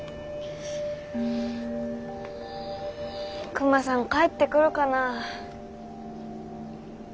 クマさん帰ってくるかなあ？